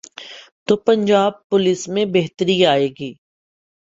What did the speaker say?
تو پنجاب پولیس میں بہتری آئے گی۔